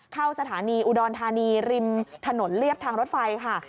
เข้าสถานีอุดรธานีริมถนนเรียบทางรถไฟค่ะ